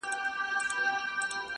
سږ کال مي ولیده لوېدلې وه له زوره ونه-